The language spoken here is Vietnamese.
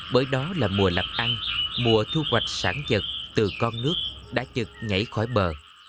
bởi đó là mùa lập ăn mùa thu hoạch sản dật từ con nước đã chật nhảy khỏi bờ